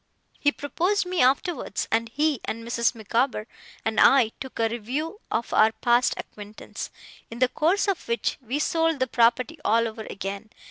He proposed me afterwards; and he, and Mrs. Micawber, and I, took a review of our past acquaintance, in the course of which we sold the property all over again.